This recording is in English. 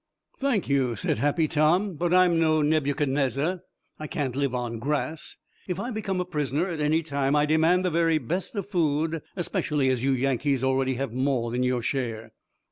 "Thank you," said Happy Tom, "but I'm no Nebuchadnezzar. I can't live on grass. If I become a prisoner at any time I demand the very best of food, especially as you Yankees already have more than your share."